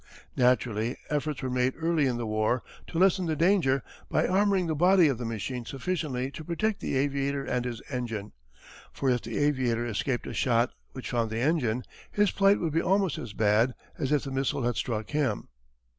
Naturally, efforts were made early in the war to lessen the danger by armouring the body of the machine sufficiently to protect the aviator and his engine for if the aviator escaped a shot which found the engine, his plight would be almost as bad as if the missile had struck him.